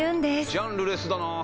ジャンルレスだなぁ。